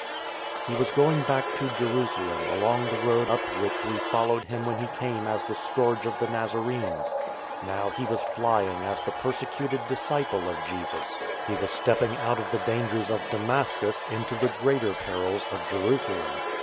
He was going back to Jerusalem along the road up which we followed him when he came as the scourge of the Nazarenes, Now he was flying as the persecuted disciple of Jesus. He was stepping out of the dangers of Damascus into the greater perils of Jerusalem.